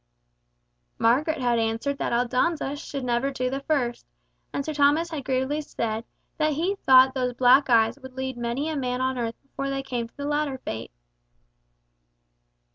Margaret had answered that Aldonza should never do the first, and Sir Thomas had gravely said that he thought those black eyes would lead many a man on earth before they came to the latter fate.